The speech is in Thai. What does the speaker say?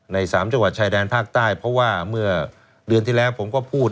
สามจังหวัดชายแดนภาคใต้เพราะว่าเมื่อเดือนที่แล้วผมก็พูด